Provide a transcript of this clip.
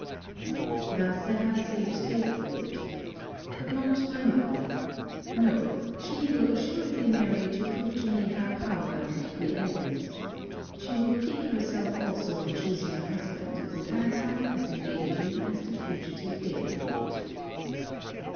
Thus have I saved Davenport. But not my mother. No she will assuredly marry to prove to me her power and pre eminence. She will pique herself also on choosing a husband, as handsome as engaging as the fugitive Davenport.